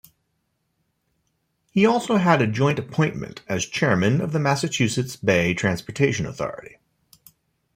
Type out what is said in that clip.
He also had a joint appointment as chairman of the Massachusetts Bay Transportation Authority.